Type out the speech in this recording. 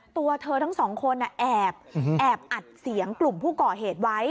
ตัวเธอทั้งสองคนแอบอัดเสียงกลุ่มผู้ก่อเหตุไว้